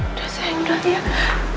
sudah sayang sudah